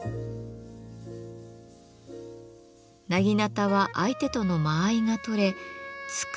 薙刀は相手との間合いが取れ突く